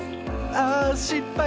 あしっぱい。